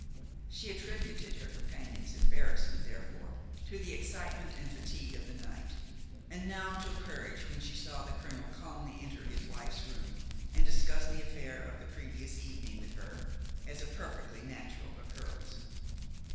She attributed her companion's embarrassment therefore to the excitement and fatigue of the night, and Noun took courage when she saw the colonel calmly enter his wife's room and discuss the affair of the previous evening with her as a perfectly natural occurrence.